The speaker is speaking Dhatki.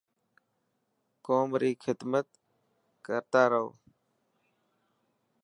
قوم ري خدمت ڪرتارهو.